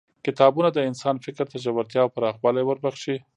کتابونه د انسان فکر ته ژورتیا او پراخوالی وربخښي